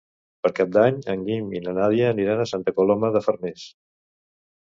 Per Cap d'Any en Guim i na Nàdia aniran a Santa Coloma de Farners.